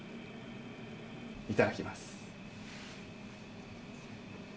いただきます。